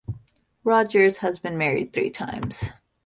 Rogers has been married three times.